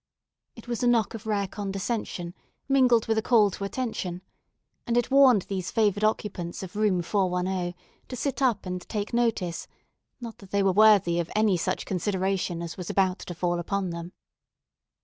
It was a knock of rare condescension, mingled with a call to attention; and it warned these favored occupants of room 410 to sit up and take notice, not that they were worthy of any such consideration as was about to fall upon them.